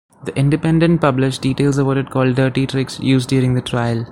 "The Independent" published details of what it called "dirty tricks" used during the trial.